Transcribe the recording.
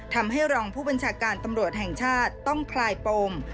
ทำให้รองผู้บัญชาการตำรวจแห่งชาติต้องคลายปม